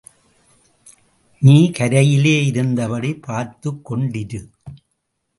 நீ கரையிலே இருந்தபடி பார்த்துக் கொண்டிரு.